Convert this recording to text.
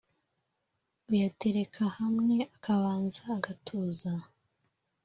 uyatereka hamwe akabanza agatuza